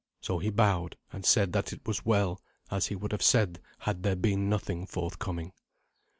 So he bowed, and said that it was well, as he would have said had there been nothing forthcoming.